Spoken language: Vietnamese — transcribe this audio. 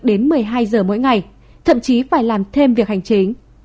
đến một mươi hai giờ mỗi ngày thậm chí phải làm thêm việc hành chính